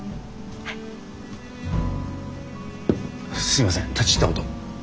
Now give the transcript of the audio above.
すみません立ち入ったことを。